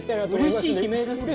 うれしい悲鳴です。